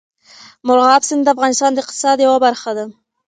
مورغاب سیند د افغانستان د اقتصاد یوه برخه ده.